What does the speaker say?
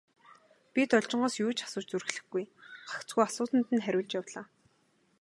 Би Должингоос юу ч асууж зүрхлэхгүй, гагцхүү асуусанд нь хариулж явлаа.